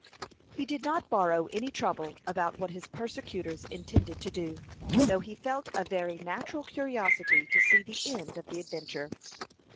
He did not borrow any trouble about what his persecutors intended to do, though he felt a very natural curiosity to see the end of the adventure.